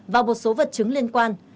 và một số vật chứng liên quan